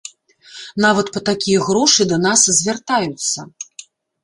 Нават па такія грошы да нас звяртаюцца.